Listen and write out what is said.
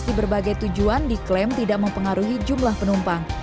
di berbagai tujuan diklaim tidak mempengaruhi jumlah penumpang